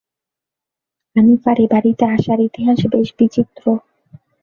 হানিফার এ-বাড়িতে আসার ইতিহাস বেশ বিচিত্র।